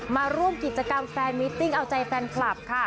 มาร่วมกิจกรรมแฟนมิตติ้งเอาใจแฟนคลับค่ะ